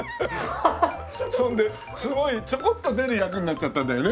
それですごいちょこっと出る役になっちゃったんだよね。